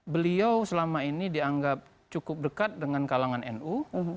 beliau selama ini dianggap cukup dekat dengan kalangan nu